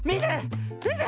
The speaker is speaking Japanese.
みて！